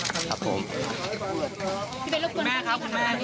ขอบคุณครับขอบคุณครับ